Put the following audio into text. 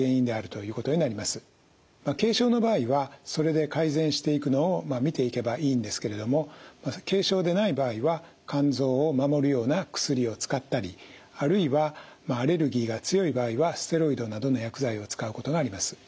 軽症の場合はそれで改善していくのを見ていけばいいんですけれども軽症でない場合は肝臓を守るような薬を使ったりあるいはアレルギーが強い場合はステロイドなどの薬剤を使うことがあります。